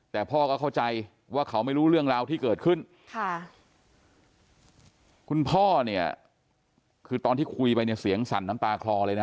แต่พ่อก็เข้าใจว่าเขาไม่รู้เรื่องราวที่เกิดขึ้นค่ะ